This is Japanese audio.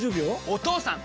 お義父さん！